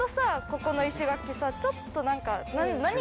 ここの石垣ちょっと何か。